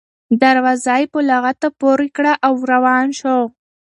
دروازه یې په لغته پورې کړه او روان شو.